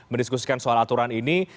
mendiskusikan soal aturan ini